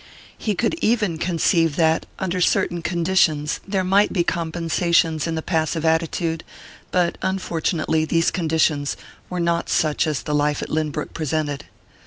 He could even conceive that, under certain conditions, there might be compensations in the passive attitude; but unfortunately these conditions were not such as the life at Lynbrook presented.